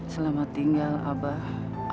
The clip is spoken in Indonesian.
selamat tinggal abah ambu